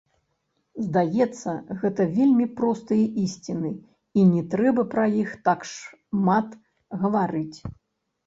Здаецца, гэта вельмі простыя ісціны і не трэба пра іх так шмат гаварыць.